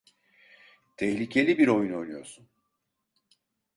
Tehlikeli bir oyun oynuyorsun.